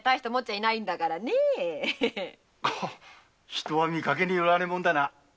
人は見かけによらねぇもんだな。